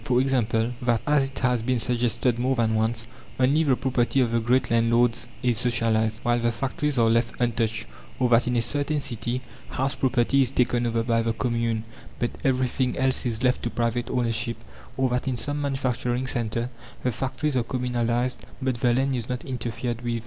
For example, that, as it has been suggested more than once, only the property of the great landlords is socialized, whilst the factories are left untouched; or that, in a certain city, house property is taken over by the Commune, but everything else is left to private ownership; or that, in some manufacturing centre, the factories are communalized, but the land is not interfered with.